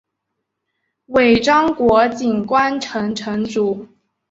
尾张国井关城城主。